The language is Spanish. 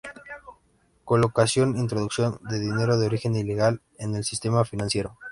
Colocación: Introducción de dinero de origen ilegal en el sistema financiero.